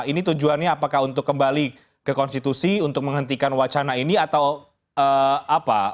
ini tujuannya apakah untuk kembali ke konstitusi untuk menghentikan wacana ini atau apa